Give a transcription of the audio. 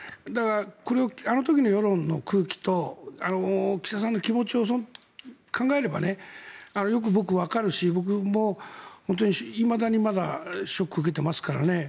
これを、あの時の世論の空気と岸田さんの気持ちを考えれば僕、よくわかるし僕もいまだにまだショックを受けていますからね。